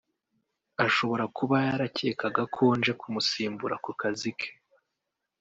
Ashobora kuba yarakekaga ko nje kumusimbura ku kazi ke